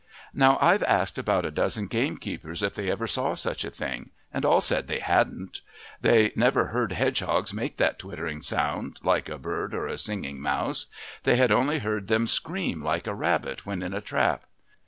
"Now I've asked about a dozen gamekeepers if they ever saw such a thing, and all said they hadn't; they never heard hedgehogs make that twittering sound, like a bird or a singing mouse; they had only heard them scream like a rabbit when in a trap.